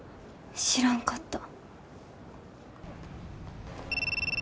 知らんかった。